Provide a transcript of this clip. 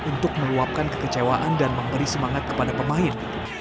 untuk meluapkan kekecewaan dan memberi semangat kepada pemain